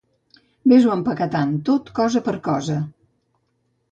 Ves-ho empaquetant tot cosa per cosa.